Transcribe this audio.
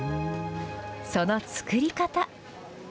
その作り方。